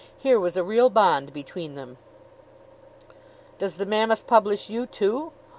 Here was a real bond between them. "Does the Mammoth publish you, too?